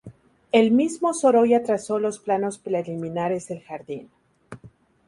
El mismo Sorolla trazó los planos preliminares del jardín.